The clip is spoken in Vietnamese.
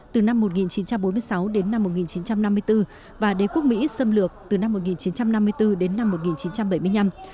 từ năm một nghìn chín trăm bốn mươi sáu đến năm một nghìn chín trăm năm mươi bốn và đế quốc mỹ xâm lược từ năm một nghìn chín trăm năm mươi bốn đến năm một nghìn chín trăm bảy mươi năm